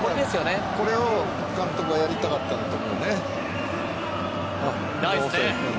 これを監督はやりたかったんだと思うね。